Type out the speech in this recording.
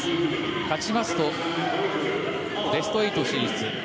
勝ちますとベスト８進出。